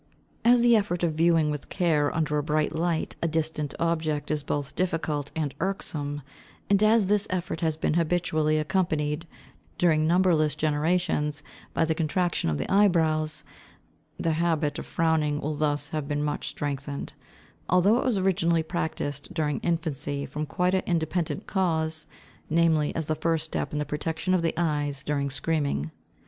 As the effort of viewing with care under a bright light a distant object is both difficult and irksome, and as this effort has been habitually accompanied, during numberless generations, by the contraction of the eyebrows, the habit of frowning will thus have been much strengthened; although it was originally practised during infancy from a quite independent cause, namely as the first step in the protection of the eyes during screaming.